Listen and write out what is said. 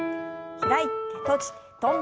開いて閉じて跳んで。